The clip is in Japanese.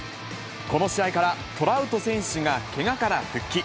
この試合からトラウト選手がけがから復帰。